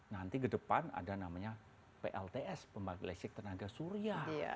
nanti ke depan ada namanya plts pembangkit listrik tenaga surya